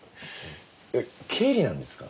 えっ経理なんですか？